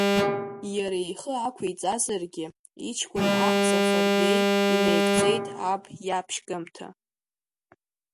Иара ихы ақәиҵазаргьы, иҷкән аҳ Сафарбеи инаигӡеит аб иаԥшьгамҭа.